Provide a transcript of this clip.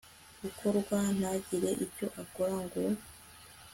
gukorwa ntagire icyo akora ngo